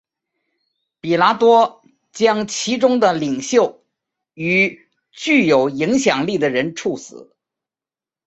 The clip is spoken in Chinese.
彼拉多将其中的领袖与具有影响力的人处死。